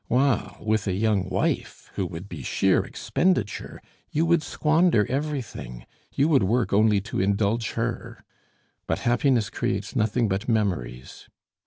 while, with a young wife, who would be sheer Expenditure, you would squander everything; you would work only to indulge her. But happiness creates nothing but memories.